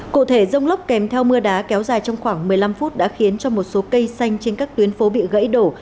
cụ thể rông lốc kèm theo mưa đá kéo dài trong khoảng một mươi năm phút đã khiến cho một số cây xanh trên các tuyến phố bị gãy đổ